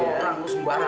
oh orang sembarangan